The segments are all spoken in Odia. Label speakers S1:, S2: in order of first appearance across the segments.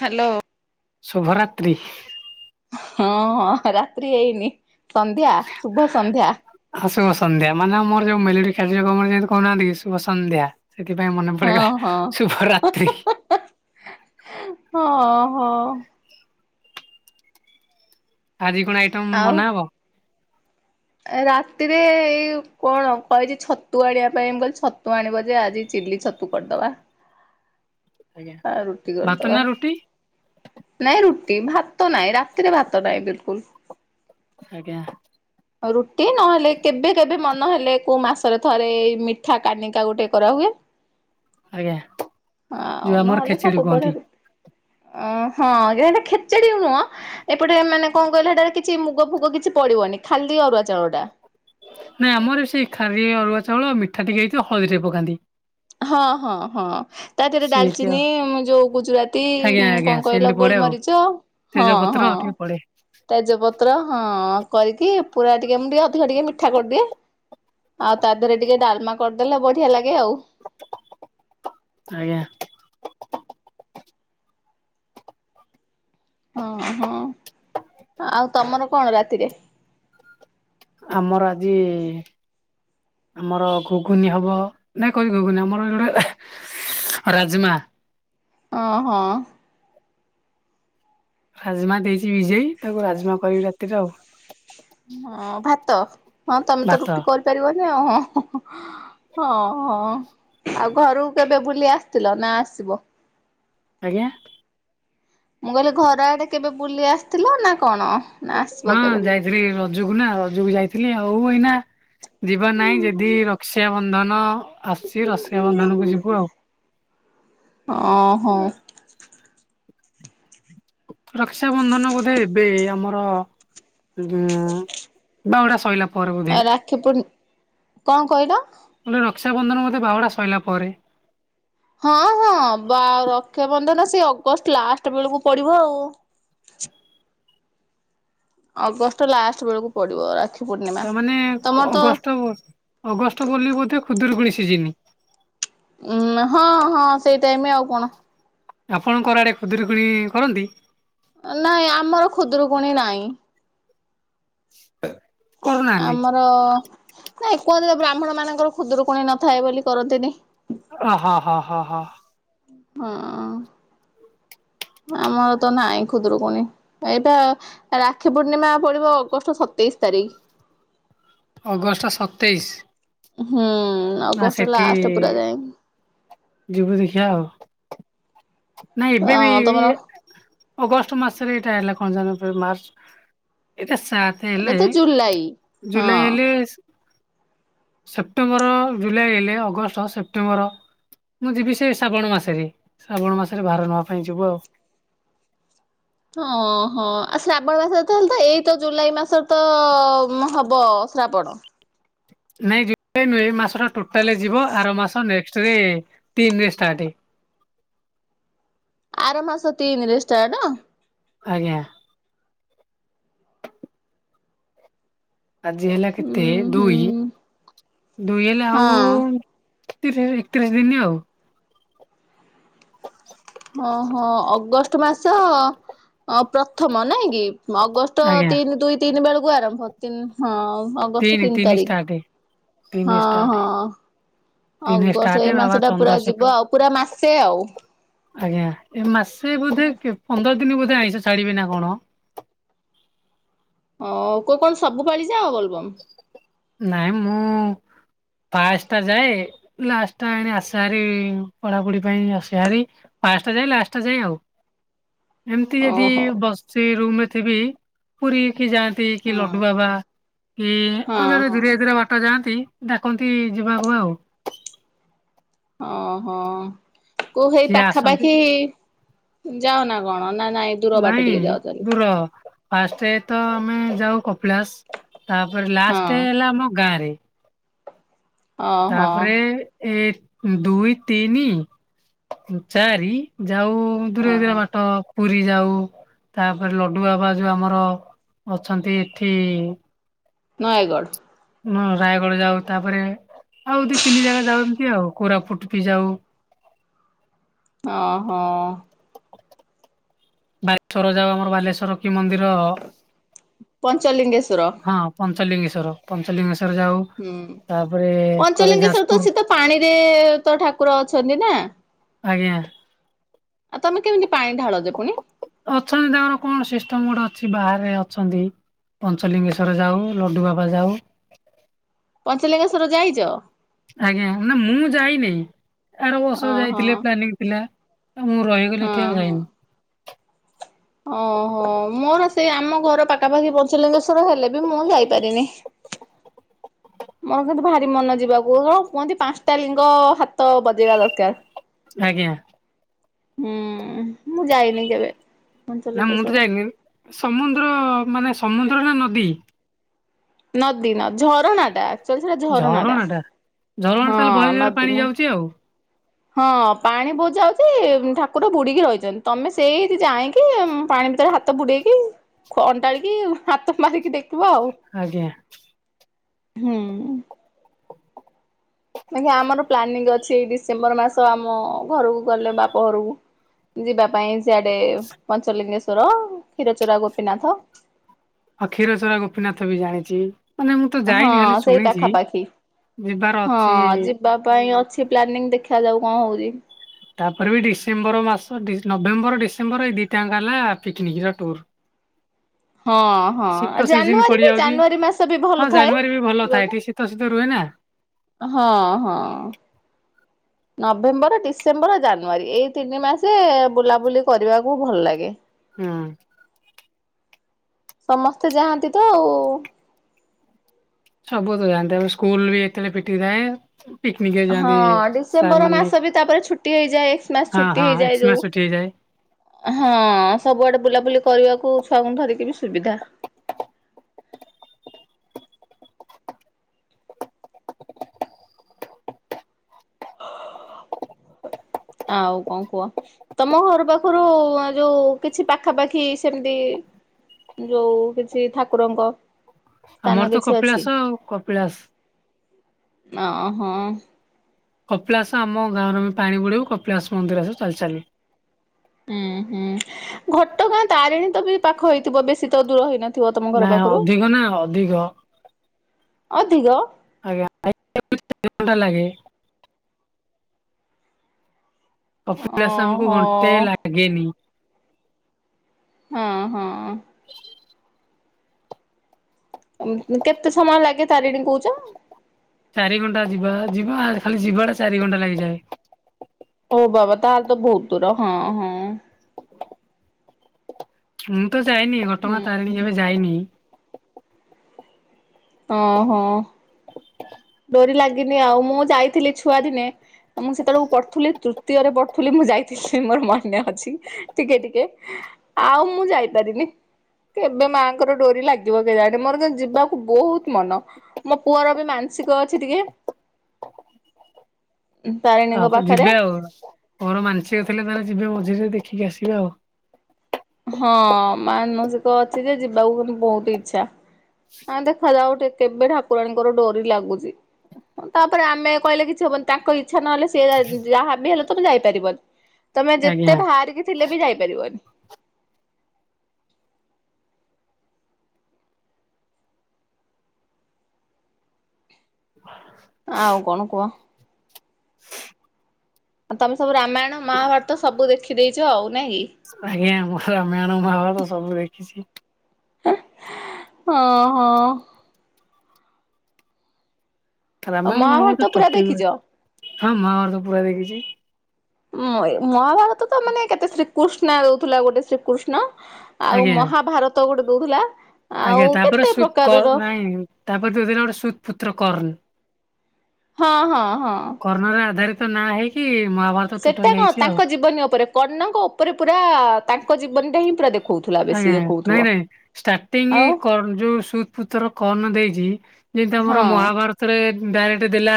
S1: ହ୍ୟାଲୋ।
S2: ଶୁଭ ରାତ୍ରି।
S1: ହଁ ହଁ ରାତ୍ରି ହେଇନି ସନ୍ଧ୍ୟା ଶୁଭ ସନ୍ଧ୍ୟା।
S2: ହଁ ଶୁଭ ସନ୍ଧ୍ୟା ମାନେ ଆମର ଯୋଉ ମେଲୋଡି କାର୍ଯ୍ୟକର୍ମରେ ଯେମିତି କହୁନାହାନ୍ତିକି ଶୁଭ ସନ୍ଧ୍ୟା। ସେଥିପାଇଁ ମନେ
S1: ହଁ
S2: ପଡିଗଲା
S1: ହଁ।
S2: ଶୁଭରାତ୍ରି।
S1: ହଁ ହଁ।
S2: ଆଜି କଣ ଆଇଟମ୍
S1: ଆଉ
S2: ବନା ହବ।
S1: ରାତିରେ ଏଇ କଣ କହିଚି ଛତୁ ଆଣିବା ପାଇଁ ବୋଲି କହିଲି ଛତୁ ଆଣିବ ଯେ ଆଜି। ଚିଲି ଛତୁ କରିଦବା।
S2: ହ। [inaudible]
S1: ରୁଟି କରିଦବା
S2: ରୁଟି
S1: ନାଇଁ ରୁ ଭାତ ନାଇଁ ରାତିରେ ଭାତ ନାହିଁ ବିଲକୁଲ।
S2: ଆଜ୍ଞା।
S1: ରୁଟି ନହେଲେ କେବେ କେବେ ମନ ହେଲେ କୋଉ ମାସରେ ଥରେ ଏଇ ମିଠା କାନିକା ଗୋଟେ କରାହୁଏ।
S2: ଆଜ୍ଞା।
S1: ଆଉ
S2: ଯୋଉ ଆମର
S1: ନହେଲେ
S2: ଖେଚେଡି
S1: ସବୁବେଳେ
S2: କୁହନ୍ତି।
S1: ରୁ ଅ ହଁ ଯେ ହେନ୍ତି ଖେଚେଡି ନୁହଁ। ଏପଟେ ମାନେ କଣ କହିଲ ହେଇଟା ରେ କିଛି ମୁଗ ଫୁଗ କିଛି ପଡିବନି। ଖାଲିି ଅରୁଆ ଚାଉଳ ଟା।
S2: ନାଇଁ ଆମର ସେଇ ଖାଲି ଅରୁଆ ଚାଉଳ ମିଠା ଟିକେ ହେଇଥିବ ହଳଦୀ ଟିକେ ପକାନ୍ତି।
S1: ହଁ ହଁ ହଁ। ତା ଦେହରେ
S2: ସେଇତି
S1: ଡାଲଚିନି
S2: ଆଉ
S1: ଯୋଉ ଗୁଜୁରାତି
S2: ଆଜ୍ଞା ଆଜ୍ଞା
S1: କଣ କହିଲ ଗୋଲମରିଚ ହଁ।
S2: ତେଜପତ୍ର ପତ୍ର
S1: ହଁ
S2: ଆଉ ଟିକେ ପଡେ।
S1: ତେଜପତ୍ର ହଁ କରିକି ପୁରା ଟିକେ ମୁଁ ଟିକେ ଅଧିକ ଟିକେ ମିଠା କରିଦିଏ। ଆଉ ତା ଦେହରେ ଟିକେ ଡାଲମା କରିଦେଲେ ବଢିଆ ଲାଗେ ଆଉ।
S2: ଆଜ୍ଞା।
S1: ହଁ ହଁ। ଆଉ ତମର କଣ ରାତିରେ?
S2: ଆମର ଆଜି ଆମର ଘୁଗୁନି ହବ, ନାଇଁ କହି ଘୁଗୁନି। [unintelligible] ରାଜମା।
S1: ଅ ହ।
S2: ରାଜମା ଦେଇଚି ଭିଜେଇ, ତାକୁ ରାଜମା କରିବି ରାତିରେ ଆଉ।
S1: ହଁ ଭାତ, ହଁ ତମେ ତ
S2: ଭାତ
S1: ରୁଟି କରିପାରିବନି ହଁ ହଁ। ହଁ ହଁ ଆଉ ଘରୁକୁ କେବେ ବୁଲି ଆସିଥିଲ ନା ଆସିବ?
S2: ଆଜ୍ଞା।
S1: ମୁଁ କହିଲି ଘର ଆଡେ କେବେ ବୁଲି ଆସିଥିଲ ନା କଣ? ନା ଆସିବ
S2: ହଁ
S1: କେବେ?
S2: ଯାଇଥିଲି, ରଜକୁ ନା ରଜକୁ ଯାଇଥିଲି। ଆଉ ଏଇନା ଯିବା ନାହିଁ, ଯଦି ରକ୍ଷାବନ୍ଧନ ଆସିଛି, ରକ୍ଷାବନ୍ଧନକୁ ଯିବୁ ଆଉ।
S1: ଅ ହଁ।
S2: ରକ୍ଷାବନ୍ଧନ ବୋଧେ ଏବେ ଆମର [unintelligible] ବାହୁଡା ସଇଲା। ପରେ ବୋଧେ
S1: ରାକ୍ଷୀ ପୂ, କଣ କହିଲ?
S2: କହିଲି ରକ୍ଷାବନ୍ଧନ ବୋଧେ ବାହୁଡ଼ା ସଇଲା ପରେ।
S1: ହଁ ହଁ ବା ରକ୍ଷାବନ୍ଧନ ସେ ଅଗଷ୍ଟ ଲାଷ୍ଟ ବେଳକୁ ପଡିବ ଆଉ। [inaudible] ଅଗଷ୍ଟ ଲାଷ୍ଟ ବେଳକୁ ପଡିବ ରାଖି
S2: ତାମାନେ ଅଗଷ୍ଟ, ଅଗଷ୍ଟ ବୋଲି ବୋଧେ ଖୁଦୁରୁକୁଣୀ ସିଜିନି।
S1: ଉଁ ହଁ ହଁ ସେଇ ଟାଇମ ଆଉ କଣ।
S2: ଆପଣଙ୍କର ଆଡେ ଖୁଦୁରୁକୁଣୀ କରନ୍ତି?
S1: ନାଇଁ ଆମର ଖୁଦୁରୁକୁଣୀ ନାହିଁ।
S2: [inaudible] କରୁନାହାନ୍ତି
S1: ଆମର ନାଇଁ କୁହନ୍ତି ତ ବ୍ରାହ୍ମଣ ମାନଙ୍କର ଖୁଦୁରୁକୁଣୀ ନଥାଏ, ବୋଲି କରନ୍ତିନି।
S2: ଅ ହ ହ ହ ହ।
S1: ହଁ।
S2: [inaudible]
S1: ଆମର ତ ନାହିଁ ଖୁଦୁରୁକୁଣୀ। ଏଇ ପା ରାକ୍ଷୀ ପୂର୍ଣ୍ଣିମା ପଡିବ ଅଗଷ୍ଟ ସତେଇଶ ତାରିଖ।
S2: ଅଗଷ୍ଟ ସତେଇଶ।
S1: ହୁଁ
S2: ନା
S1: ଅଗଷ୍ଟ
S2: ସେଠି
S1: ଲାଷ୍ଟ ପୁରା ଯାଇଁ।
S2: ଯିବୁ ଦେଖିବା ଆଉ ନାଇଁ ଏବେ ବି,
S1: ହଁ ତମର
S2: ଅଗଷ୍ଟ ମାସରେ ଏଇଟା ହେଲା। [unintelligible] ମାର୍ଚ୍ଚ ଏଟା ସାତ
S1: ଏଇଟା
S2: ହେଲେ
S1: ତ ଜୁଲାଇ ହଁ
S2: ଜୁଲାଇ ହେଲେ ସେପ୍ଟେମ୍ବର, ଜୁଲାଇ ହେଲେ ଅଗଷ୍ଟ, ସେପ୍ଟେମ୍ବର। ମୁଁ ଯିବି ସେ ଶ୍ରାବଣ ମାସରେ। ଶ୍ରାବଣ ମାସରେ ଭାର ନବା ପାଇଁ ଯିବୁ ଆଉ।
S1: ହଁ ହଁ ଆ ଶ୍ରାବଣ ମାସରେ ତ ହେଲେ ତ ଏଇ ତ ଜୁଲାଇ ମାସରେ ତ ହବ ଶ୍ରାବଣ
S2: ନାଇଁ ଯେ ଏଇ ମାସଟା ଟୋଟାଲ ଯିବ। ଆର ମାସ ନେକ୍ସଟ ଷ୍ଟେରେ ତିନ୍ ରେ ଷ୍ଟାର୍ଟ।
S1: ଆର ମାସ ତିନିରେ ଷ୍ଟାର୍ଟ?
S2: ଆଜ୍ଞା। ଆଜି ହେଲା
S1: ଉଁ
S2: କେତେ
S1: ହୁଁ
S2: ଦୁଇ, ଦୁଇ ହେଲେ ଆଉ
S1: ହଁ
S2: ତିରିଶ, ଏକତିରିଶ ଦିନ ଆଉ [inaudible]
S1: ହଁ ହଁ ଅଗଷ୍ଟ ମାସ ଅ ପ୍ରଥମ ନାଇଁ କି? ଅଗଷ୍ଟ
S2: ଆଜ୍ଞା
S1: ତିନି ଦୁଇ ତିନି ବେଳକୁ ଆରମ୍ଭ ତିନି ହଁ ଅଗଷ୍ଟ ତିନି ତାରିଖ
S2: ତିନି
S1: ହଁ
S2: ଷ୍ଟାର୍ଟ
S1: ହଁ।
S2: ତିନି ଷ୍ଟାର୍ଟ
S1: ଅଗଷ୍ଟ ଏଇ
S2: ବାବା
S1: ମାସଟା ପୁରା
S2: ଚନ୍ଦ୍ରଶେଖର
S1: ଯିବ ଆଉ ପୁରା ମାସେ ଆଉ।
S2: ଆଜ୍ଞା ଏ ମାସେ ବୋଧେ କେ ପନ୍ଦର ଦିନ ବୋଧେ ଆଇଁଷ ଛାଡିବେ ନା କଣ?
S1: ଓ କୋଉ କଣ ସବୁ ପାଳିଯାଅ ବୋଲବମ୍?
S2: ନାଇଁ ମୁଁ ଫାଷ୍ଟ ଟା ଯାଏ ଲାଷ୍ଟ ଟା ଏ ଆସେହାରି ପଢାପଢି ପାଇଁ ଆସେହାରି ଫାଷ୍ଟ ଟା ଯାଏଁ ଲାଷ୍ଟଟା ଯାଏଁ ଆଉ। ଏମିତି ଯଦି
S1: ଓହୋ
S2: ବସିଛି ରୁମ୍ ରେ ଥିବି ପୁରୀ ଖୀ ଯାଆନ୍ତି କି
S1: ହଁ
S2: ଲଡୁ ବାବା କି
S1: ହଁ
S2: ଆଉ ଯୁଆଡେ
S1: ହଁ
S2: ଦୁରିଆ ଦୂରିଆ ବାଟ ଯାଆନ୍ତି ଡ଼ାକନ୍ତି ଯିବାକୁ ଆଉ।
S1: ଓହୋ କୋଉ ହେଇ
S2: ସିଏ ଆସନ୍ତି
S1: ପାଖାପାଖି ଯାଅନା କଣ? ହଁ ନାଇଁ ନାଇଁ ଦୂର ବାଟ ଟିକେ ଯାଉ
S2: ଦୂର
S1: ଚାଲିକି?
S2: ଫାଷ୍ଟ ତ ଆମେ ଯାଉ କପିଳାସ ତାପରେ
S1: ହଁ
S2: ଲାଷ୍ଟ ହେଲା ଆମ ଗାଁ ରେ
S1: ଓହୋ
S2: ତାପରେ ଏ ଦୁଇ, ତିନି, ଚାରି ଯାଉ ଦୂରେ
S1: ହଁ
S2: ଦୂରେ ବାଟ ପୁରୀ ଯାଉ ତାପରେ ଲଡୁ ବାବା ଯୋଉ ଆମର ଅଛନ୍ତି ଏଠି
S1: ନୟାଗଡ଼।
S2: ହଁ ରାୟଗଡା ଯାଉ ତାପରେ ଆଉ ଦି ତିନି ଜାଗା ଯାଉ ଏମିତି ଆଉ କୋରାପୁଟ୍ ବି ଯାଉ।
S1: ଓହୋ।
S2: ବାଲେଶ୍ଵର ଯାଉ ଆମର ବାଲେଶ୍ଵର। ମନ୍ଦିର
S1: ପଞ୍ଚଲିଙ୍ଗେଶ୍ଵର
S2: ହଁ ପଞ୍ଚଲିଙ୍ଗେଶ୍ଵର ପଞ୍ଚଲିଙ୍ଗେଶ୍ଵ ର
S1: ହୁଁ
S2: ତାପରେ କରେ
S1: ପଞ୍ଚଲିଙ୍ଗେଶ୍ଵର ତ
S2: ଯାଜପୁର
S1: ଶୀତ ପାଣିରେ ତ ଠାକୁର ଅଛନ୍ତି ନା?
S2: ଆଜ୍ଞା।
S1: ଆଉ ତମେ କେମିତି ପାଣି ଢାଳ ଯେ ପୁଣି?
S2: ଅଛନ୍ତି ତାଙ୍କର କଣ ସିଷ୍ଟମ ଗୋଟେ ଅଛି ବାହାରେ ଅଛନ୍ତି। ପଞ୍ଚଲିଙ୍ଗେଶ୍ଵର ଯାଉ, ଲଡୁ ବାବା ଯାଉ।
S1: ପଞ୍ଚଲିଙ୍ଗେଶ୍ୱର ଯାଇଚ?
S2: ଆଜ୍ଞା ନା ମୁଁ ଯାଇନି ଆର ବର୍ଷ
S1: ଓହୋ
S2: ଯାଇଥିଲ ପ୍ଲାନିଂ ଥିଲା। ମୁଁ ରହିଗଲି
S1: ହଁ
S2: ଏଠି ଆଉ
S1: ହଁ।
S2: ଯାଇନି।
S1: ଓହୋ ମୋର ସେଇ ଆମ ଘର ପାଖାପାଖି ପଞ୍ଚଲିଙ୍ଗେଶ୍ଵର ହେଲେ ବି ମୁଁ ଯାଇପାରିନି ମୋର କିନ୍ତୁ ଭାରି ମନ ଯିବାକୁ କଣ କୁହନ୍ତି ପାଞ୍ଚଟା ଲିଙ୍କ ହାତ ବଜେଇବା ଦରକାର।
S2: ଆଜ୍ଞା।
S1: ହୁଁ ମୁଁ ଯାଇନି କେବେ।
S2: ନା ମୁଁ ତ
S1: ପଞ୍ଚଲିଙ୍ଗେଶ୍ଵର।
S2: ଯାଇନି। ସମୁଦ୍ର ମାନେ ସମୁଦ୍ର ନା ନଦୀ?
S1: ନଦୀ ନ, ଝରଣା ଟା। ସେଇଥିରେ ଝରଣା ଟା।
S2: ଝରଣା
S1: ହଁ
S2: ତାହେଲେ ବହେ ଜୋରେ ପାଣି
S1: ନଦୀ ନୁହ
S2: ଯାଉଛି ଆଉ
S1: ହଁ ପାଣି ବହିଯାଉଛି, ଠାକୁର ବୁଡିକି ରହିଛନ୍ତି, ତମେ ସେଇିଠି ଯାଇଁକି ପାଣି ଭିତରେ ହାତ ବୁଡେଇକି, ଅଣ୍ଡାଳିକି, ହାତ ମାରିକି ଦେଖି
S2: ଆଜ୍ଞା।
S1: ହଁ ଅ ଆ ଆମର ପ୍ଲାନିଂ ଅଛି, ଏଇ ଡିସେମ୍ବର ମାସ ଆମ ଘରକୁ ଗଲେ ବାପ ଘରକୁ ଯିବା ପାଇଁ ସିଆଡେ ପଞ୍ଚଲିଙ୍ଗେଶ୍ଵର, କ୍ଷୀରଚୋରା ଗୋପୀନାଥ।
S2: ଅ କ୍ଷୀରଚୋରା ଗୋପୀନାଥ ବି ଜାଣିଛି। ମାନେ ମୁଁ ତ
S1: ହଁ
S2: ଯାଇନି ଖାଲି
S1: ସେଇ
S2: ଶୁଣିଛି
S1: ପାଖାପାଖି
S2: ଯିବାର
S1: ହଁ
S2: ଅଛି।
S1: ଯିବା ପାଇଁ ଅଛି। କି ପ୍ଲାନିଂ ଦେଖା ଯାଉ କଣ ହଉଛି?
S2: ତାପରେ ବି ଡିସେମ୍ବର ମାସ ନଭେମ୍ବର, ଡିସେମ୍ବର ଏଇ ଦିଟାଙ୍କା ହେଲା ପିକ୍ ନିକ୍ ର ଟୁୁର।
S1: ହଁ ହଁ ଆ ଜାନୁଆରୀ ବି
S2: ପଡିଯାଉଛି
S1: ଜାନୁଆରୀ ମାସ ବି
S2: ହଁ
S1: ଭଲ ଥାଏ
S2: ଜାନୁଆରୀ ବି ଭଲ ଥାଏ
S1: ଯିବାକୁ।
S2: ଏଠି ଶୀତ ଶୀତ ରୁହେ ନା
S1: ହଁ ହଁ ନଭେମ୍ବର, ଡିସେମ୍ବର, ଜାନୁଆରୀ, ଏଇ ତିନି ମାସେ ବୁଲାବୁଲି କରିବାକୁ ଭଲ ଲାଗେ।
S2: ହଁ ଅ
S1: ସମସ୍ତେ ଯାଆନ୍ତି ତ ଆଉ।
S2: ସବୁ ତ ଜାଣିଥା ସ୍କୁଲ ବି ଏତେବେଳେ ଫିଟି ଥାଏ। ପିକନିକ ରେ
S1: ହଁ
S2: ଯାଆନ୍ତି। ସାର୍
S1: ଡିସେମ୍ବର
S2: ମାନେ
S1: ମାସ ବି ତାପରେ ଛୁଟି ହେଇଯାଏ ଏକ୍ସ ମାସ
S2: ହଁ
S1: ଛୁଟି
S2: ହଁ
S1: ହେଇଯାଏ
S2: ଏକ୍ସମାସ
S1: ଯୋଉ।
S2: ଛୁଟି ହେଇଯାଏ
S1: ହଁ ସବୁଆଡେ ବୁଲାବୁଲି କରିବାକୁ ଛୁଆଙ୍କୁ ଧରିକି ବି ସୁବିଧା।
S2: [unintelligible]
S1: ଆଉ କଣ କୁହ ତମ ଘର ପାଖରୁ ଯୋଉ କିଛି ପାଖାପାଖି ସେମିତି ଯୋଉ କିଛି ଠାକୁରଙ୍କ ସ୍ଥାନ
S2: ଆମର ତ
S1: କିଛି ଅଛି
S2: କପିଳାସ ଆଉ କପିଳାସ।
S1: ଓ ହୋ
S2: କପିଳାସ ଆମ ଗାଁରେ ଆମେ ପାଣି ବୁଡେଇବୁ, କପିଳାସ ମନ୍ଦିର ଆସିବୁ ଚାଲିଚାଲି।
S1: ହୁଁ ହୁଁ ଘଟଗାଁ ତାରିଣୀ ତ ବି ପାଖ ହେଇଥିବ ବେଶୀ ତ ଦୂର ହେଇନ
S2: ନା ଅଧିକ ନା ଅଧିକ।
S1: ଅଧିକ
S2: ଆଜ୍ଞା [inaudible] ଘଣ୍ଟା ଲାଗେ। କପିଳାସ ଆମକୁ
S1: ଓହୋ
S2: ଘଣ୍ଟେ ଲାଗେନି।
S1: ହଁ ହଁ କେତେ ସମୟ ଲାଗେ ତାରିଣୀ କହୁଛ?
S2: ଚାରି ଘଣ୍ଟା ଯିବା ଯିବା, ଖାଲି ଯିବା ଟା ଚାରି ଘଣ୍ଟା ଲାଗିଯାଏ।
S1: ହଉ ବାବା ତାହେଲେ ତ ବହୁତ ଦୂର ହଁ ହଁ।
S2: ମୁଁ ତ ଯାଇନି
S1: ହୁଁ
S2: ଘଟଗାଁ ତାରିଣୀ
S1: ହୁଁ
S2: କେବେ ଯାଇନି।
S1: ଓ ହୋ। ଡୋରି ଲାଗିନି, ଆଉ ମୁଁ ଯାଇଥିଲି ଛୁଆ ଦିନେ, ମୁଁ ସେତେବେଳକୁ ପଢୁଥିଲି ତୃତୀୟରେ ପଢ଼ୁଥିଲି। ମୁଁ ଯାଇଥିଲି ମୋର ମନେ ଅଛି ଟିକେ ଟିକେ ଆଉ ମୁଁ ଯାଇପାରିନି। କେବେ ମାଆଙ୍କର ଡୋରି ଲାଗିବ କେଜାଣି? ମୋର କିନ୍ତୁ ଯିବାକୁ ବହୁତ ମନ ମୋ ପୁଅର ବି ମାନ ସିକ ଅଛି ଟିକେ।
S2: ହଁ
S1: ତାରିଣୀଙ୍କ
S2: ଆପଣ ଯିବେ
S1: ପାଖରେ
S2: ଆଉ ପୁଅର ମାନସିକ ଥିଲେ ତାହେଲେ ଯିବେ ମଝିରେ ଦେ ଦେଖିକି ଆସିବେ ଆଉ।
S1: ହଁ ମାନସିକ ଅଛି ଯେ ଯିବାକୁ ମୋର ବହୁତ ଇଛା। ହ ଦେଖାଯାଉ କେବେ ଠାକୁରାଣୀଙ୍କର ଡୋରି ଲାଗୁଛି। ତାପରେ ଆମେ କହିଲେ କିଛି ହବନି, ତାଙ୍କ ଇଚ୍ଛା ନହେଲେ, ସିଏ ଯାହା ବି ହେଲେ ତମେ ଯାଇପାରିବନି। ତମେ
S2: ଆଜ୍ଞା।
S1: ଯେତେ ବାହାରିକି ଥିଲେ ବି ଯାଇପାରିବନି। ଆଉ କଣ କୁହ? ଆଉ ତମେ ସବୁ ରାମାୟଣ ମହାଭାରତ ସବୁ ଦେଖିଦେଇଛ ଆଉ ନାଇ କି?
S2: ଆଜ୍ଞା, ମୁଁ ରାମାୟଣ ମହାଭାରତ ସବୁ ଦେଖିଛି।
S1: ହଁ ହଁ
S2: ରାମାୟଣ ମହାଭାରତ
S1: ପୁରା
S2: ଟପିକ
S1: ଦେଖିଛ?
S2: ହଁ ମହାଭାରତ ପୁରା ଦେଖିଛି।
S1: ଉ ମହାଭାରତ ତ ମାନେ କେତେ ଶ୍ରୀକୃଷ୍ଣ ଦଉଥିଲା ଗୋଟେ ଶ୍ରୀକୃଷ୍ଣ। ଆଉ
S2: ଆଜ୍ଞା।
S1: ମହାଭାରତ ଗୋଟେ ଦଉଥିଲା। ଆଉ
S2: ଆଜ୍ଞା ତାପରେ
S1: କେତେ
S2: ସୁ କର
S1: ପ୍ରକାରର
S2: ନାଇଁ ତାପରେ ଯୋଉ ଦିନଠୁ ଗୋଟେ ସୁ ପୁତ୍ର କର୍ଣ
S1: ହଁ ହଁ। ହଁ।
S2: କର୍ଣ୍ଣର ଆଧାରିତ ନାଁ ହେଇକି। ମହାଭାରତ ଟୋଟାଲ
S1: ସେଟା କଣ
S2: ହେଇଛି ଆଉ।
S1: ତାଙ୍କ ଜୀବନୀ ଉପରେ କର୍ଣ୍ଣଙ୍କ ଉପରେ ପୁରା ତାଙ୍କ ଜୀବନୀ ଟା ହିଁ ପୁରା ଦେଖ
S2: ଆଜ୍ଞା ନାଇଁ ନାଇଁ ଷ୍ଟାର୍ଟିଙ୍ଗ
S1: ଆଉ
S2: କର୍ଣ୍ଣ ଯୋଉ ସୁଦ୍ ପୁତର କର୍ଣ୍ଣ ଦେଇଛି। ଯେମିତି
S1: ହଁ
S2: ଆମର ମହାଭାରତରେ ଡାଇରେକ୍ଟ ଦେଲା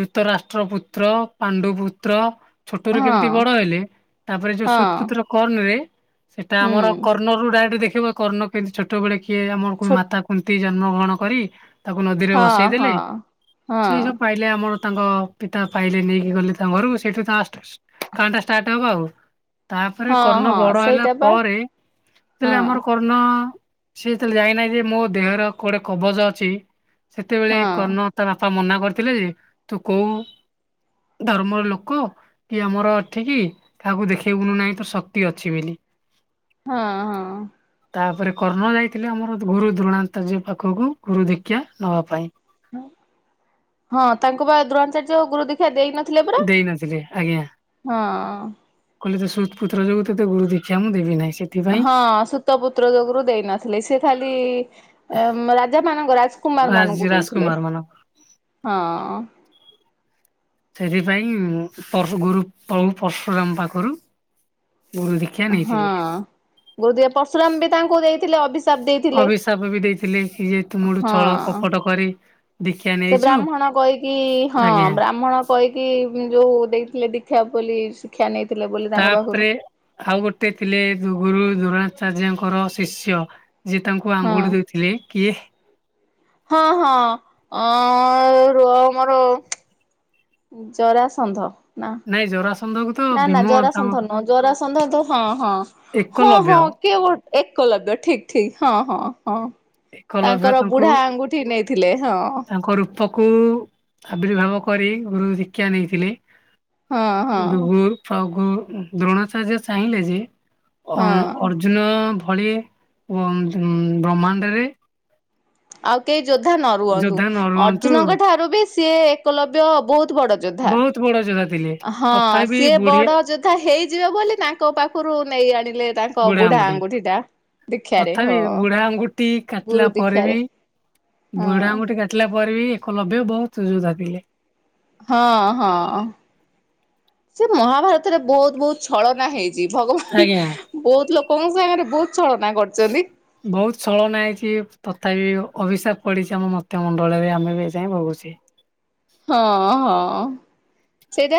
S2: ଦୂତ ରାଷ୍ଟ୍ର ପୁତ୍ର ପାଣ୍ଡୁ ପୁତ୍ର। ଛୋଟରୁ
S1: ହଁ
S2: କେମିତି ବଡ଼ ହେଲେ ତାପରେ ଯୋଉ
S1: ହଁ
S2: ସୁତ୍ପୁତ କର୍ଣ୍ଣ ରେ ସେଟା ଆମର
S1: ହୁଁ।
S2: ମୂଳରୁ ଡାଇରେକ୍ଟ ଦେଖିବ କର୍ଣ୍ଣ କେମତି ଛୋଟବେେଳେ କିଏ ଆମର
S1: ଛୋଟ
S2: ମାତା କୁନ୍ତି ଜନ୍ମ ଗ୍ରହଣ କରି ତାକୁ ନଦୀରେ
S1: ହଁ
S2: ବସେଇ ଦେଲେ
S1: ହଁ ହଁ
S2: ସେ ଯୋଉ ପାଇଲେ ଆମର ତାଙ୍କ ପିତା ପାଇଲେ ନେଇକି ଗଲେ ତା ଘରୁ ସେଇଠୁ ତା ଟା ଷ୍ଟାର୍ଟ ହବ ଆଉ ତାପରେ
S1: ହଁ
S2: କର୍ଣ୍ଣ
S1: ହଁ
S2: ବଡ ହେଲା
S1: ସେଇଟା ବା
S2: ପରେ ହେଲେ
S1: ହଁ
S2: ଆମର କର୍ଣ୍ଣ। ସେ ଯେତେଳେ ଯାଇନାହିଁ ଯେ ମୋ ଦେହର କୋଆଡେ କବଜ ଅଛି ସେତେବେଳେ
S1: ହଁ
S2: କର୍ଣ୍ଣ ତା ବାପା ମନା କରିଥିଲେ ଯେ ତୁ କୋଉ? ଧର୍ମର ଲୋକ। କି ଆମର ଏଠିକି କାହାକୁ ଦେଖେଇବୁନି ନାହିଁ ତୁ ଶକ୍ତି ଅଛି ବୋଲି।
S1: ହଁ, ହଁ।
S2: ତାପରେ କର୍ଣ୍ଣ ଯାଇଥିଲେ ଆମର ଗୁରୁ ଦ୍ରୋଣାଚାର୍ଯ୍ୟ ପାଖକୁ ଗୁରୁ ଦିକ୍ଷା ନବା ପାଇଁ।
S1: ହଁ ତାଙ୍କୁ ବା ଦ୍ରୋଣାଚାର୍ଯ୍ୟ ଗୁରୁ ଦୀକ୍ଷା ଦେଇନଥିଲେ ପରା
S2: ଦେଇନଥିଲେ ଆଜ୍ଞା।
S1: ହଁ।
S2: ସୁତ୍ପୁତ୍ର ଯୋଗୁଁ ତତେ ଗୁରୁ ଦକ୍ଷା ମୁଁ ଦେବିନାହିଁ।
S1: ହଁ ସୁତପୁତ୍ର ଯୋଗୁରୁ ଦେଇ ନଥିଲେ ସେ ଖାଲି ରାଜା ମାନଙ୍କ ରାଜ୍ କୁମାର
S2: ରାଜ
S1: ମାନଙ୍କୁ ଦଉଥିଲେ
S2: ରାଜକୁମାର ମାନଙ୍କ
S1: ହଁ।
S2: ସେଥିପାଇଁ ପର୍ଶୁ ଗୁରୁ ପ୍ରଭୁ ପର୍ଶୁରାମ ପାଖରୁ। ଗୁରୁ ଦୀକ୍ଷା ନେଇଥିଲେ।
S1: ହଁ ପରଶୁରାମ ବି ତାଙ୍କୁ ଦେଇଥିଲେ ଅଵି
S2: ଅଭିଶାପ ବି ଦେଇଥିଲେ କି ଯେ ତୁମଠୁ ଛଳ
S1: ହଁ।
S2: କପଟ କରି ଦୀକ୍ଷା
S1: ସେ
S2: ନେଇଛୁ
S1: ବ୍ରାହ୍ମଣ କହିକି ହଁ
S2: ଆଜ୍ଞା
S1: ବ୍ରାହ୍ମଣ କହିକି ଯୋଉ ଦେଇଥିଲେ ଶିକ୍ଷା ବୋଲି ଶିକ୍ଷା ନେଇ
S2: ତାପରେ ଆଉ ଗୋଟେ ଥିଲେ ଗୁରୁ ଦୋଣାଚାର୍ଯ୍ୟଙ୍କର ଶିଷ୍ୟା ଯି ତାଙ୍କୁ
S1: ହଁ
S2: ଆଙ୍ଗୁଳି ଦେଇଥିଲେ କିଏ?
S1: ହଁ ହଁ ଅଁ ର ମୋର ଜରାସଣ୍ଢ
S2: ନାଇ ଜରାସ
S1: ନା ନା ଜରାସଣ୍ଢ ନୁହଁ ଜରାସଣ୍ଢ ତ ହଁ ହଁ ହଁ
S2: ଏକଲଭ୍ୟ
S1: ହଁ କିଏ ଗଟେ? ଏକ ଲଭ ଠିକ୍ ଠିକ୍ ହଁ ହଁ ହଁ।
S2: ଏକ ଲଭ୍ୟ
S1: ତାଙ୍କର
S2: ତାଙ୍କୁ
S1: ବୁଢା ଆଙ୍ଗୁଠି ନେଇଥିଲେ ହଁ
S2: ତାଙ୍କ ରୂପକୁ ଆବିର୍ଭାବ। କରି ଗୁରୁ ଶିକ୍ଷା ନେଇଥିଲେ
S1: ହଁ ହଁ
S2: ଦୁଗୁରୁ ଫ୍ର ଦ୍ରୋଣଚାର୍ଯ୍ୟ ଚାହିଁଲେ ଯେ
S1: ହଁ।
S2: ଅ-ଅର୍ଜୁନ ଭଳି ବ୍ରହ୍ମାଣ୍ଡରେ
S1: ଆଉ କେ ଯୋଦ୍ଧା ନ ରୁହନ୍ତୁ।
S2: ଯୋଦ୍ଧା ନ ରୁହନ୍ତୁ
S1: ଅର୍ଜୁନଙ୍କ ଠାରୁ ବି ସିଏ ଏକଲବ୍ୟ ବହୁତ ବଡ଼ ଯୋଦ୍ଧା।
S2: ବହୁତ ବଡ ଯୋଦ୍ଧା ଥିଲେ।
S1: ହଁ
S2: ତଥାପି
S1: ସିଏ
S2: ବୁଢୀ
S1: ବଡ ଯୋଦ୍ଧା ହେଇଯିବେ ବୋଲି ତାଙ୍କ ପାଖରୁ ନେଇ ଆଣି ଥିଲେ ତାଙ୍କ ବୁଢା ଆଙ୍ଗୁଠି ଟା ଦୀକ୍ଷାରେ ହଁ
S2: ତଥାପି ବୁଢା ଆଙ୍ଗୁଠି କାଟିଲା
S1: ଗୁରୁ
S2: ପରେ ବି
S1: ଦୀକ୍ଷାରେ
S2: ବୁଢା
S1: ହଁ।
S2: ଆଙ୍ଗୁଠି କାଟିଲା ଏକଲବ୍ୟ ବହୁତ୍ ଯୁଧା ଥିଲେ।
S1: ହଁ ହଁ ସେ ମହାଭାରତରେ ବହୁତ ବହୁତ ଛଳନା ହେଇ। ଚି ଭଗବାନ୍
S2: ଆଜ୍ଞା
S1: ବହୁତ୍ ଲୋକଙ୍କ ସାଙ୍ଗରେ ବହୁତ୍
S2: ବହୁତ ଚଳନା ହେଇଛି ତଥାପି ଅଭିଶାପ ପଡିଛି ଆମ ମତ୍ୟ ମଣ୍ଡଳରେ ଆମେ ବି ଯାଇଏ ଭୋଗୁଛେ।
S1: ହଁ ହଁ ସେଇଟା